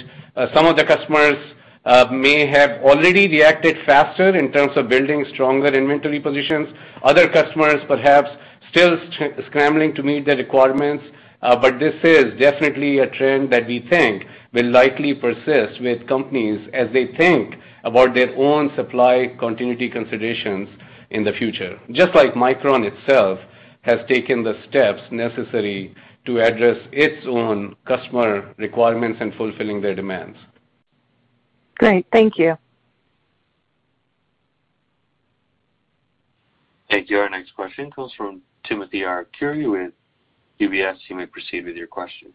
some of the customers may have already reacted faster in terms of building stronger inventory positions. Other customers perhaps still scrambling to meet the requirements. This is definitely a trend that we think will likely persist with companies as they think about their own supply continuity considerations in the future. Just like Micron itself has taken the steps necessary to address its own customer requirements and fulfilling their demands. Great. Thank you. Thank you. Our next question comes from Timothy Arcuri with UBS. You may proceed with your question.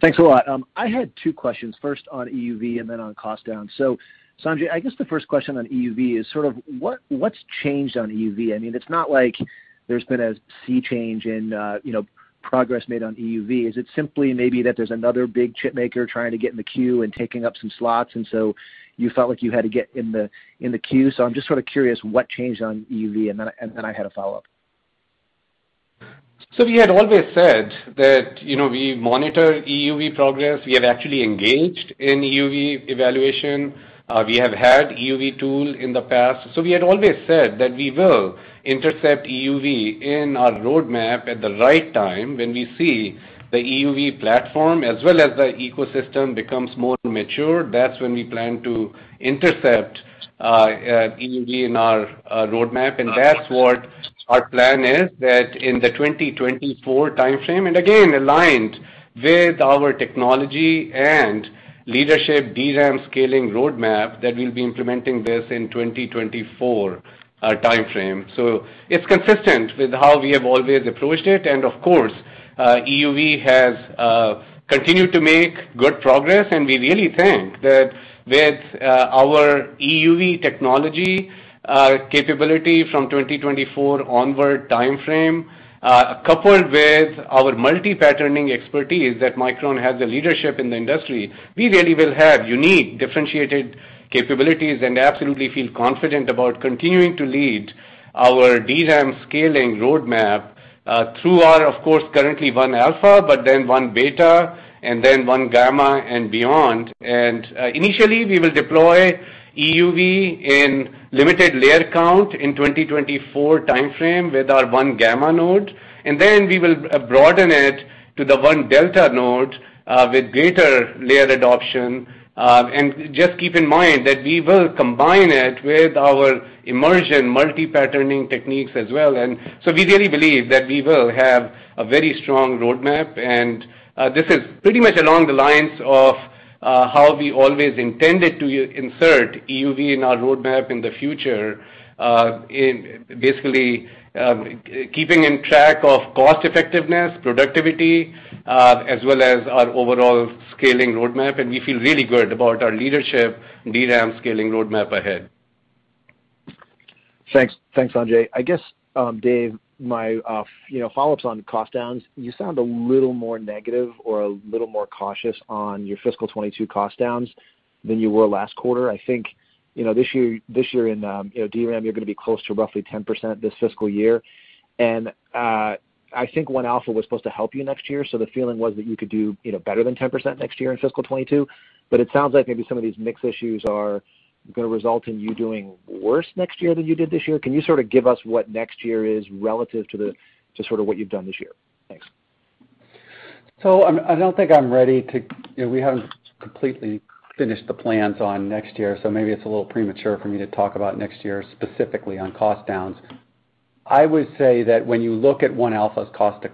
Thanks a lot. I had two questions, first on EUV and then on cost down. Sanjay, I guess the first question on EUV is what's changed on EUV? It's not like there's been a sea change in progress made on EUV. Is it simply maybe that there's another big chip maker trying to get in the queue and taking up some slots, and so you felt like you had to get in the queue? I'm just curious what changed on EUV, and then I had a follow-up. We had always said that we monitor EUV progress. We are actually engaged in EUV evaluation. We have had EUV tools in the past. We had always said that we will intercept EUV in our roadmap at the right time when we see the EUV platform as well as the ecosystem becomes more mature. That's when we plan to intercept EUV in our roadmap. That's what our plan is, that in the 2024 timeframe, and again, aligned with our technology and leadership DRAM scaling roadmap, that we'll be implementing this in 2024 timeframe. It's consistent with how we have always approached it, and of course, EUV has continued to make good progress, and we really think that with our EUV technology capability from 2024 onward timeframe, coupled with our multi-patterning expertise that Micron has a leadership in the industry, we really will have unique differentiated capabilities and absolutely feel confident about continuing to lead our DRAM scaling roadmap, through our, of course, currently 1-alpha, but then 1-beta, and then 1-gamma and beyond. Initially, we will deploy EUV in limited layer count in 2024 timeframe with our 1-gamma node, and then we will broaden it to the 1-delta node with greater layer adoption. Just keep in mind that we will combine it with our immersion multi-patterning techniques as well. We really believe that we will have a very strong roadmap. This is pretty much along the lines of how we always intended to insert EUV in our roadmap in the future, basically, keeping track of cost effectiveness, productivity, as well as our overall scaling roadmap. We feel really good about our leadership DRAM scaling roadmap ahead. Thanks, Sanjay. I guess, Dave, my follow-up on cost downs. You sound a little more negative or a little more cautious on your fiscal 2022 cost downs than you were last quarter. I think this year in DRAM, you're going to be close to roughly 10% this fiscal year. I think 1-alpha was supposed to help you next year, so the feeling was that you could do better than 10% next year in fiscal 2022. It sounds like maybe some of these mix issues are going to result in you doing worse next year than you did this year. Can you give us what next year is relative to what you've done this year? Thanks. We haven't completely finished the plans on next year. Maybe it's a little premature for me to talk about next year specifically on cost downs. I would say that when you look at 1-alpha's cost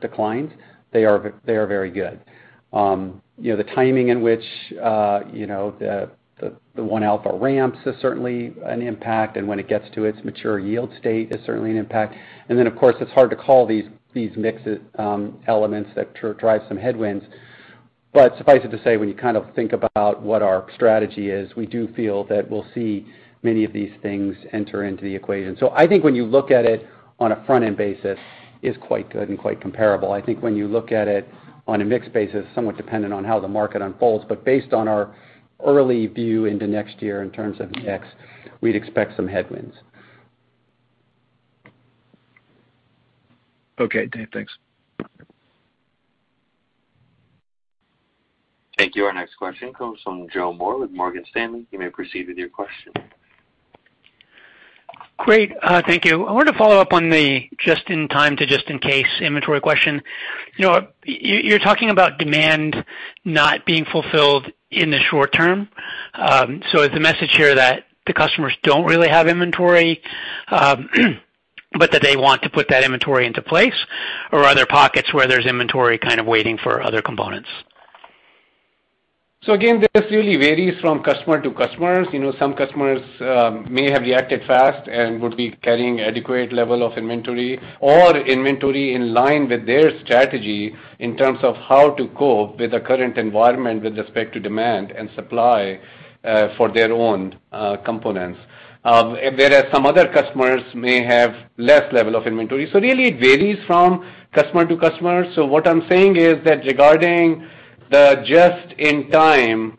declines, they are very good. The timing in which the 1-alpha ramps is certainly an impact, and when it gets to its mature yield state is certainly an impact. Then, of course, it's hard to call these mix elements that drive some headwinds. Suffice it to say, when you think about what our strategy is, we do feel that we'll see many of these things enter into the equation. I think when you look at it on a front-end basis, it's quite good and quite comparable. I think when you look at it on a mixed basis, somewhat dependent on how the market unfolds. Based on our early view into next year in terms of mix, we'd expect some headwinds. Okay. Thanks. Thank you. Our next question comes from Joe Moore with Morgan Stanley. You may proceed with your question. Great. Thank you. I want to follow up on the just-in-time to just-in-case inventory question. You're talking about demand not being fulfilled in the short term. Is the message here that the customers don't really have inventory, but that they want to put that inventory into place, or are there pockets where there's inventory waiting for other components? Again, this really varies from customer to customer. Some customers may have reacted fast and would be carrying adequate level of inventory or inventory in line with their strategy in terms of how to cope with the current environment with respect to demand and supply, for their own components. Whereas some other customers may have less level of inventory. It really varies from customer to customer. What I'm saying is that regarding the just-in-time,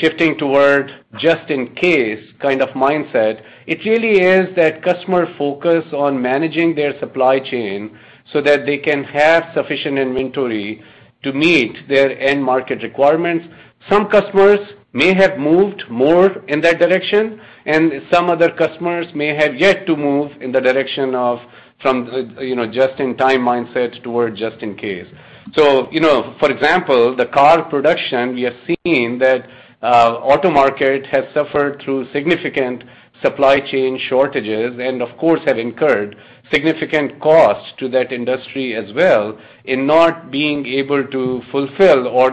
shifting toward just-in-case kind of mindset, it really is that customers focus on managing their supply chain so that they can have sufficient inventory to meet their end market requirements. Some customers may have moved more in that direction, and some other customers may have yet to move in the direction of from just-in-time mindsets towards just-in-case. For example, the car production, we have seen that auto market has suffered through significant supply chain shortages and, of course, have incurred significant cost to that industry as well in not being able to fulfill all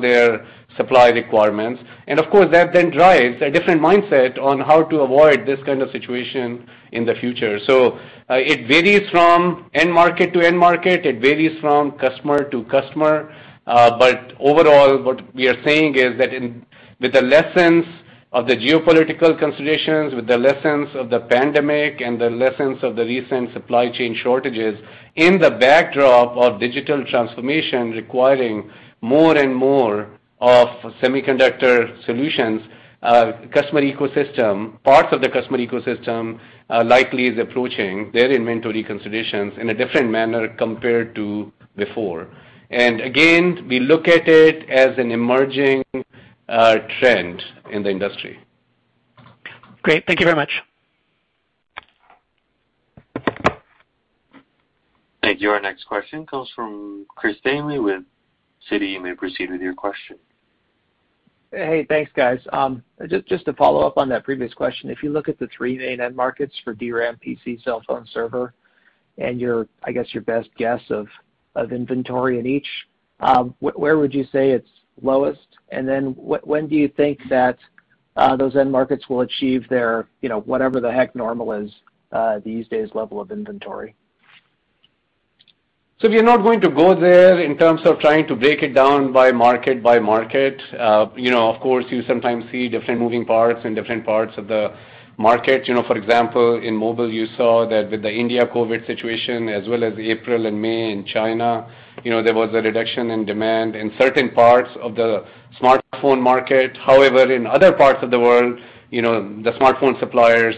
their supply requirements. Of course, that then drives a different mindset on how to avoid this kind of situation in the future. It varies from end market to end market. It varies from customer to customer. Overall, what we are saying is that with the lessons of the geopolitical considerations, with the lessons of the pandemic, And the lessons of the recent supply chain shortages in the backdrop of digital transformation requiring more and more of semiconductor solutions, customer ecosystem, parts of the customer ecosystem likely is approaching their inventory considerations in a different manner compared to before. Again, we look at it as an emerging trend in the industry. Great. Thank you very much. Thank you. Our next question comes from Chris Danely with Citi. You may proceed with your question. Hey, thanks, guys. Just to follow up on that previous question. If you look at the 3 main end markets for DRAM, PC, cell phone, server, and I guess your best guess of inventory in each, where would you say it's lowest? When do you think that those end markets will achieve their, whatever the heck normal is these days, level of inventory? We're not going to go there in terms of trying to break it down by market by market. Of course, you sometimes see different moving parts in different parts of the market. For example, in mobile, you saw that with the India COVID situation, as well as April and May in China, there was a reduction in demand in certain parts of the smartphone market. However, in other parts of the world, the smartphone suppliers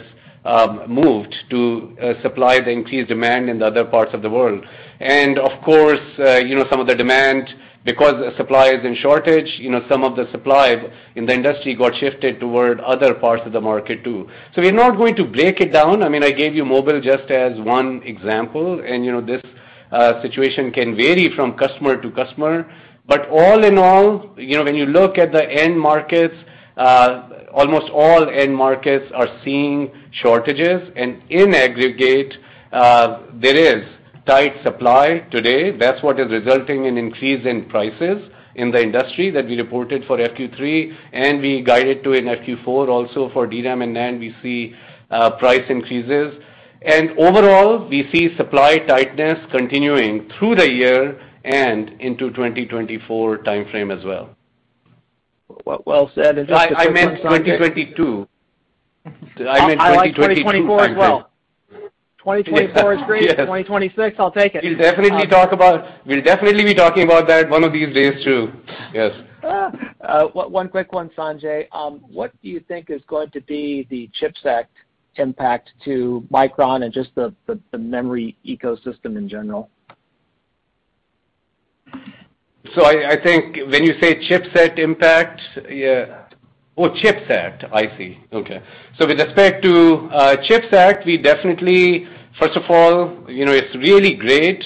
moved to supply the increased demand in the other parts of the world. Of course, some of the demand, because the supply is in shortage, some of the supply in the industry got shifted toward other parts of the market, too. We're not going to break it down. I gave you mobile just as one example, and this situation can vary from customer to customer. All in all, when you look at the end markets, almost all end markets are seeing shortages. In aggregate, there is tight supply today. That's what is resulting in increase in prices in the industry that we reported for Q3, and we guided to in Q4 also for DRAM, and then we see price increases. Overall, we see supply tightness continuing through the year and into 2024 timeframe as well. Well said. Just to confirm. I meant 2022. I meant 2022 timeframe. 2024 is great. 2026, I'll take it. We'll definitely be talking about that one of these days, too. Yes. One quick one, Sanjay. What do you think is going to be the CHIPS Act impact to Micron and just the memory ecosystem in general? I think when you say CHIPS Act, I see. Okay. With respect to CHIPS Act, we definitely, first of all, it's really great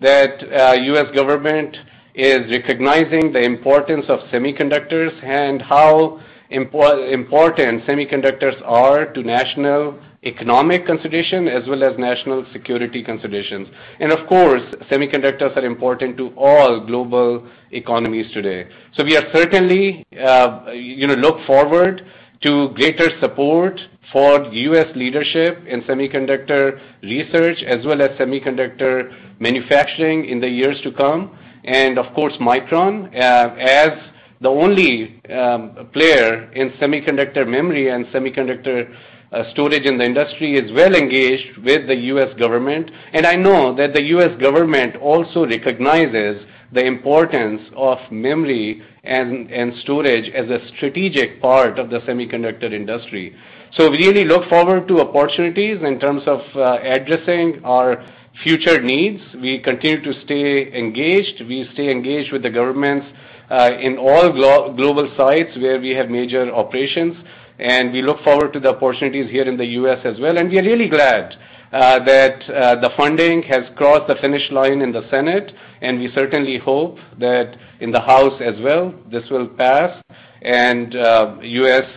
that U.S. government is recognizing the importance of semiconductors and how important semiconductors are to national economic consideration as well as national security considerations. Of course, semiconductors are important to all global economies today. We certainly look forward to greater support for U.S. leadership in semiconductor research as well as semiconductor manufacturing in the years to come. Of course, Micron, as the only player in semiconductor memory and semiconductor storage in the industry, is well-engaged with the U.S. government. I know that the U.S. government also recognizes the importance of memory and storage as a strategic part of the semiconductor industry. We really look forward to opportunities in terms of addressing our future needs. We continue to stay engaged. We stay engaged with the governments in all global sites where we have major operations. We look forward to the opportunities here in the U.S. as well. We are really glad that the funding has crossed the finish line in the Senate. We certainly hope that in the House as well, this will pass. U.S.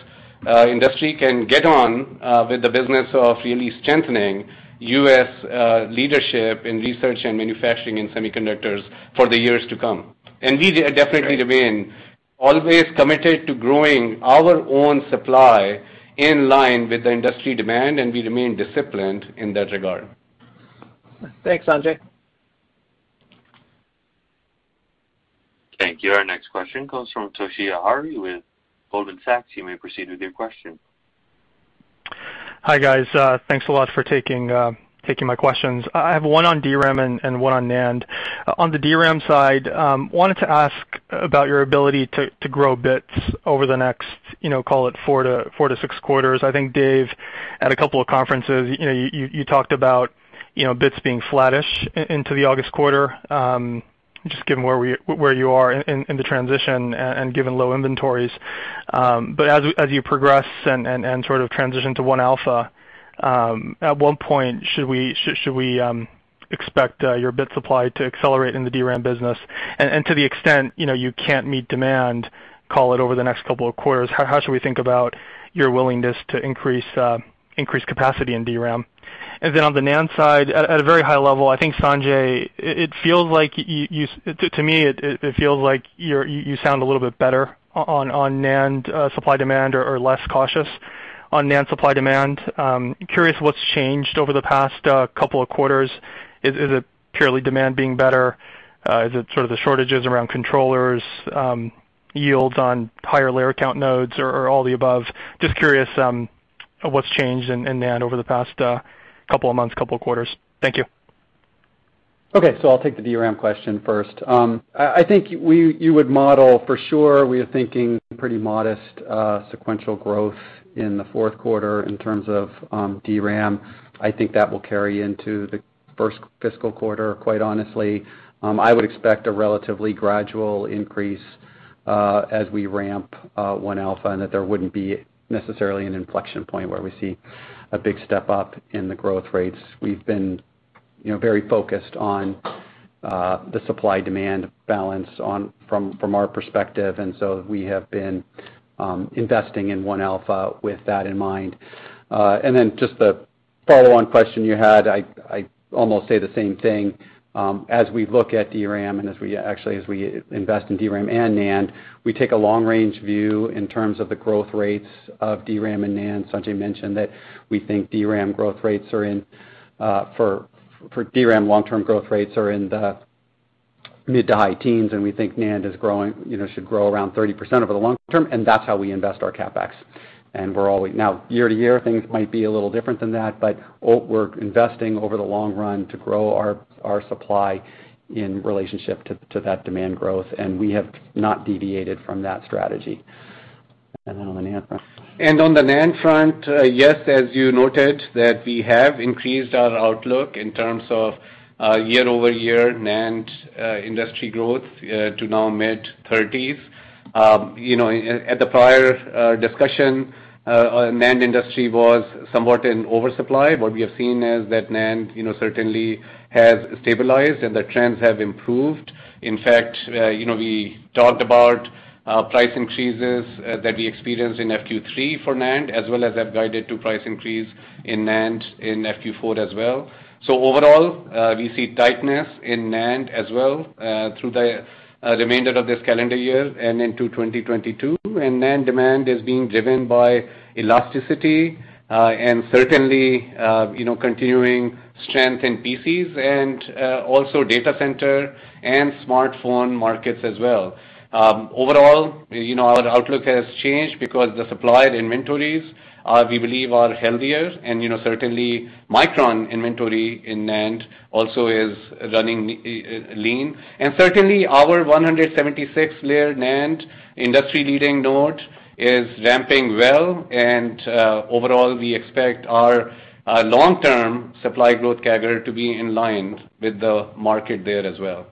industry can get on with the business of really strengthening U.S. leadership in research and manufacturing in semiconductors for the years to come. We definitely remain always committed to growing our own supply in line with the industry demand. We remain disciplined in that regard. Thanks, Sanjay. Thank you. Our next question comes from Toshiya Hari with Goldman Sachs. You may proceed with your question. Hi, guys. Thanks a lot for taking my questions. I have one on DRAM and one on NAND. On the DRAM side, wanted to ask about your ability to grow bits over the next, call it, 4 to 6 quarters. I think, Dave, at a couple of conferences, you talked about bits being flattish into the August quarter, just given where you are in the transition and given low inventories. As you progress and sort of transition to 1-alpha, at what point should we expect your bit supply to accelerate in the DRAM business? To the extent, you can't meet demand, call it, over the next couple of quarters, how should we think about your willingness to increase capacity in DRAM? Then on the NAND side, at a very high level, I think, Sanjay, to me, it feels like you sound a little bit better on NAND supply-demand or less cautious on NAND supply demand. Curious what's changed over the past couple of quarters. Is it purely demand being better? Is it sort of the shortages around controllers, yields on higher layer count nodes, or all the above? Just curious what's changed in NAND over the past couple of months, couple quarters. Thank you. Okay. I'll take the DRAM question first. I think you would model for sure we are thinking pretty modest sequential growth in the fourth quarter in terms of DRAM. I think that will carry into the first fiscal quarter, quite honestly. I would expect a relatively gradual increase as we ramp 1-alpha, and that there wouldn't be necessarily an inflection point where we see a big step-up in the growth rates. We've been very focused on the supply-demand balance from our perspective, we have been investing in 1-alpha with that in mind. Just the follow-on question you had, I almost say the same thing. As we look at DRAM, and actually as we invest in DRAM and NAND, we take a long-range view in terms of the growth rates of DRAM and NAND. Sanjay mentioned that we think for DRAM, long-term growth rates are in the mid to high teens, and we think NAND should grow around 30% over the long term, and that's how we invest our CapEx. Now, year to year, things might be a little different than that, but we're investing over the long run to grow our supply in relationship to that demand growth, and we have not deviated from that strategy. I don't know, Sanjay. On the NAND front, yes, as you noted that we have increased our outlook in terms of year-over-year NAND industry growth to now mid-30s. At the prior discussion, NAND industry was somewhat in oversupply. What we have seen is that NAND certainly has stabilized, and the trends have improved. In fact, we talked about price increases that we experienced in Q3 for NAND, as well as have guided to price increase in NAND in Q4 as well. Overall, we see tightness in NAND as well, through the remainder of this calendar year and into 2022. NAND demand is being driven by elasticity and certainly, continuing strength in PCs and also data center and smartphone markets as well. Overall, our outlook has changed because the supply inventories, we believe, are healthier. Certainly, Micron inventory in NAND also is running lean. Certainly, our 176-layer NAND industry-leading node is ramping well, and overall, we expect our long-term supply growth CAGR to be in line with the market there as well.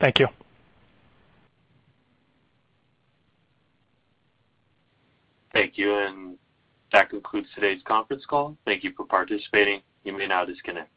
Thank you. Thank you. That concludes today's conference call. Thank you for participating. You may now disconnect.